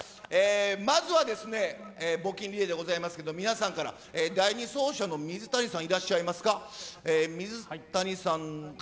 まずはですね、募金リレーでございますけれども、皆さんから、第２走者の水谷さん、いらっしゃいますか。